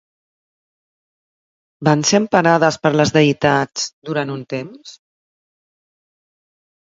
Van ser emparades per les deïtats durant un temps?